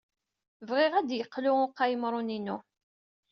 Bɣiɣ ad d-yeqlu uqayemrun-inu.